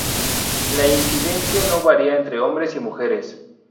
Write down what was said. La incidencia no varía entre hombres y mujeres.